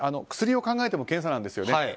薬を考えても検査なんですよね。